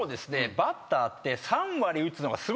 バッターって。